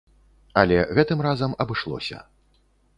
Але гэтым разам абышлося.